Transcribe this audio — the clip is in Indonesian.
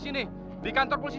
cari anak jangan di sini